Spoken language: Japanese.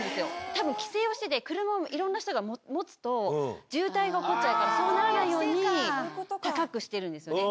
たぶん規制をしてて、車をいろんな人が持つと、渋滞が起こっちゃうから、だから高くしてるんですよね。